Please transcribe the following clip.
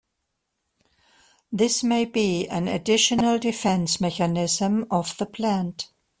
This may be an additional defense mechanism of the plant.